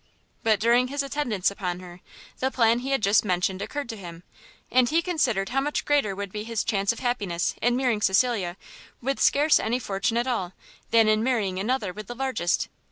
But, during his attendance upon her, the plan he had just mentioned occurred to him, and he considered how much greater would be his chance of happiness in marrying Cecilia with scarce any fortune at all, than in marrying another with the largest.